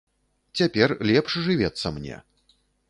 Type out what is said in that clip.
Цяпер лепш жывецца мне.